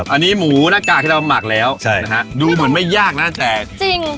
อันนี้หมูหน้ากากที่เราหมักแล้วใช่นะฮะดูเหมือนไม่ยากนะแต่จริง